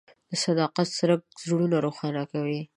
د صداقت څرک زړونه روښانه کوي.